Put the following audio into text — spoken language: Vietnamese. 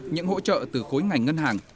những hỗ trợ từ khối ngành ngân hàng